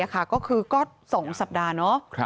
ก็คือก็๒สัปดาห์